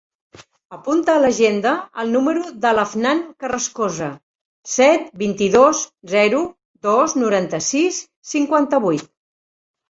Apunta a l'agenda el número de l'Afnan Carrascosa: set, vint-i-dos, zero, dos, noranta-sis, cinquanta-vuit.